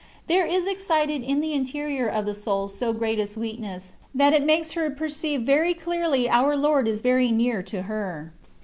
There is excited in the interior of the soul so great a sweetness, that it makes her perceive very clearly our Lord is very near to her.